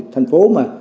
thành phố mà